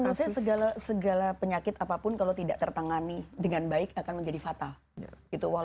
maksudnya segala penyakit apapun kalau tidak tertangani dengan baik akan menjadi fatal